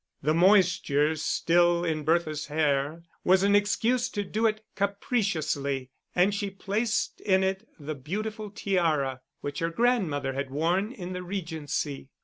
The moisture still in Bertha's hair was an excuse to do it capriciously, and she placed in it the beautiful tiara which her grandmother had worn in the Regency.